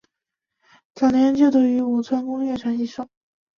早年就读于武昌工业传习所。